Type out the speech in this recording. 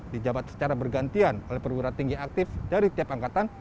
dijabat secara bergantian oleh perwira tinggi aktif dari tiap angkatan